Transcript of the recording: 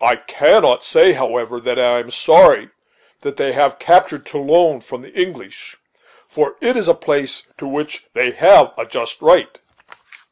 I cannot say, however, that I am sorry that they have captured Toulon from the English, for it is a place to which they have a just right."